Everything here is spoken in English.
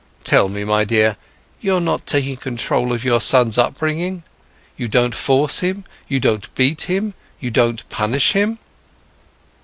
Tell me, my dear: you're not taking control of your son's upbringing? You don't force him? You don't beat him? You don't punish him?"